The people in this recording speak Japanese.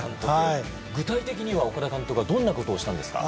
具体的に岡田監督はどんなことをしたんですか。